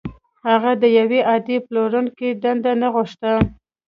هغه د يوه عادي پلورونکي دنده نه غوښته.